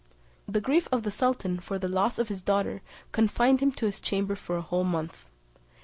The grief of the sultan for the loss of his daughter confined him to his chamber for a whole month.